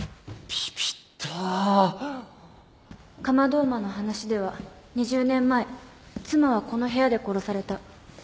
カマドウマの話では２０年前妻はこの部屋で殺された。